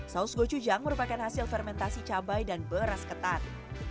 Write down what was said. saus gochujang merupakan hasil fermentasi cabai dan beras ketan